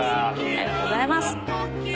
ありがとうございます。